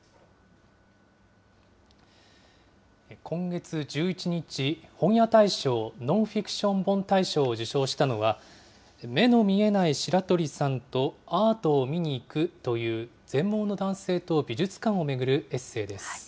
今月１１日、本屋大賞ノンフィクション本大賞を受賞したのは、目の見えない白鳥さんとアートを見に行くという全盲の男性と美術館を巡るエッセイです。